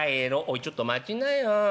「おいちょっと待ちなよ。